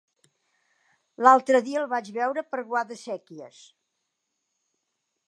L'altre dia el vaig veure per Guadasséquies.